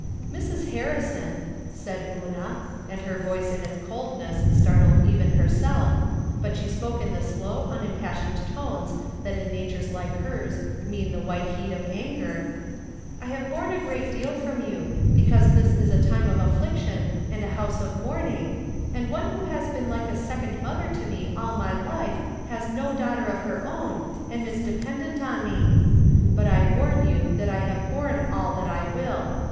" Mrs. Harrison," said Una, and her voice in its coldness startled even herself, but she spoke in the slow, uuimpassioned tones that in natures 196 From Different Standpoints. like hers mean the white heat of anger, " I have borne a great deal from you, because this is a time of affliction and a house of mourning, and one who has been like a second mother to me all my life has no daughter of her own, and is depen dent on me. But I warn you that I have borne all that I will.